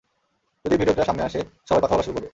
যদি ভিডিওটা সামনে আসে, সবাই কথা বলা শুরু করবে।